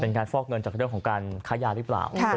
เป็นการฟอกเงินจากเรื่องของการค้ายาหรือเปล่าค่ะแต่